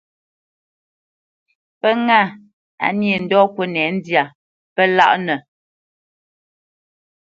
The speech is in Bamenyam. Pə́ ŋâ, á nyě ndɔ̌ ŋkúnɛ̂ ndyá, pə́ láʼnə.